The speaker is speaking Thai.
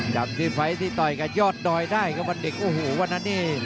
จากที่ไฟล์ที่ต่อยกับยอดดอยได้ครับวันเด็กโอ้โหวันนั้นนี่